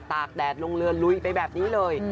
กแดดลงเรือลุยไปแบบนี้เลย